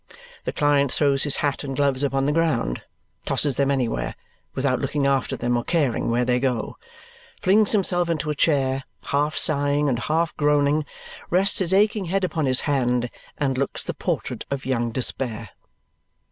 The client throws his hat and gloves upon the ground tosses them anywhere, without looking after them or caring where they go; flings himself into a chair, half sighing and half groaning; rests his aching head upon his hand and looks the portrait of young despair.